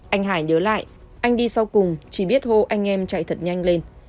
anh hải nhớ lại anh đi sau cùng chỉ biết hô anh em chạy thật nhanh lên